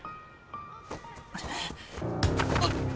あっ！